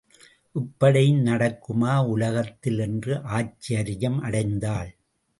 இப்படியும் நடக்குமா உலகத்தில் என்று ஆச்சரியம் அடைந்தாள்.